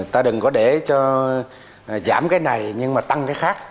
ta đừng có để cho giảm cái này nhưng mà tăng cái khác